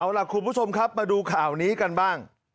เอาล่ะคุณผู้ชมครับมาดูข่าวนี้กันบ้าง